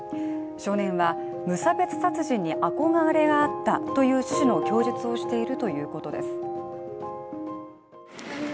少年は、無差別殺人に憧れがあったという趣旨の供述をしているということです。